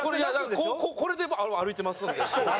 これで歩いてますんで。